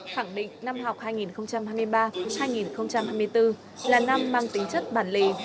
khẳng định năm học hai nghìn hai mươi ba hai nghìn hai mươi bốn là năm mang tính chất bản lì